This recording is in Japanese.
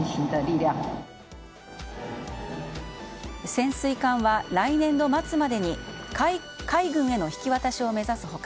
潜水艦は来年度末までに海軍への引き渡しを目指す他